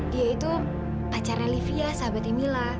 dia itu pacarnya livia sahabatnya mila